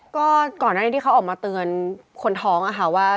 ก็ก่อนที่เขาออกมาเตือนคนท้องอ่ะค่ะว่า